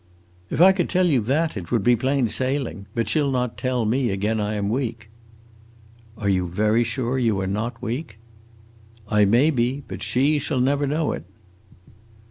"If I could tell you that, it would be plain sailing. But she 'll not tell me again I am weak!" "Are you very sure you are not weak?" "I may be, but she shall never know it."